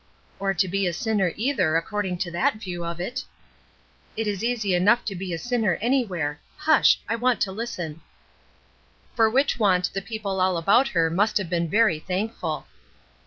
"Or to be a sinner either, according to that view of it." "It is easy enough to be a sinner anywhere. Hush, I want to listen." For which want the people all about her must have been very thankful.